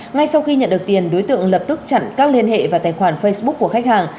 ngay sau khi nhận được tiền đối tượng lập tức chặn các liên hệ vào tài khoản facebook của khách hàng